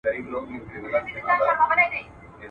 چورت ئې واهه، خورجين ئې بايلوی.